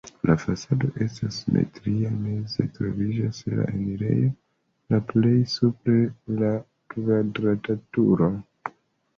La fasado estas simetria, meze troviĝas la enirejo, la plej supre la kvadrata turo.